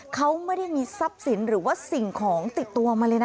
เขาไม่ได้มีทรัพย์สินหรือว่าสิ่งของติดตัวมาเลยนะ